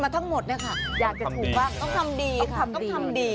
ต้องทำดี